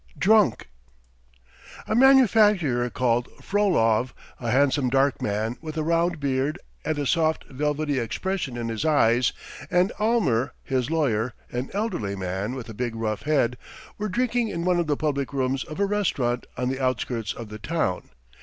DRUNK A MANUFACTURER called Frolov, a handsome dark man with a round beard, and a soft, velvety expression in his eyes, and Almer, his lawyer, an elderly man with a big rough head, were drinking in one of the public rooms of a restaurant on the outskirts of the town.